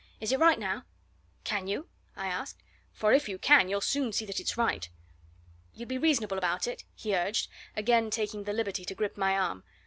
"Is it right, now?" "Can you?" I asked. "For if you can, you'll soon see that it's right." "You'd be reasonable about it?" he urged, again taking the liberty to grip my arm.